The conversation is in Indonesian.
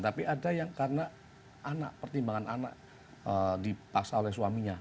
tapi ada yang karena anak pertimbangan anak dipaksa oleh suaminya